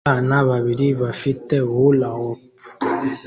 Abana babiri bafite hula-hop